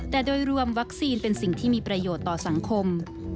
แต่โดยรวมวัคซีนเป็นสิ่งที่มีประโยชน์ต่อสังคม